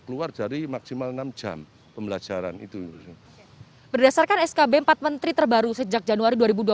keluar dari maksimal enam jam pembelajaran itu berdasarkan skb empat menteri terbaru sejak januari